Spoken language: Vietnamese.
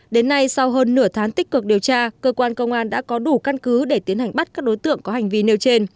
đến nay sau hơn nửa tháng tích cực điều tra cơ quan công an đã có đủ căn cứ để tiến hành bắt các đối tượng có hành vi nêu trên